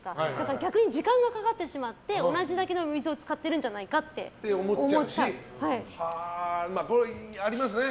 逆に時間がかかってしまって同じだけの水を使ってるんじゃないかとこういうのありますね。